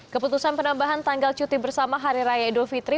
keputusan penambahan tanggal cuti bersama hari raya idul fitri